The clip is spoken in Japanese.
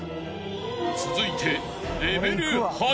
［続いて］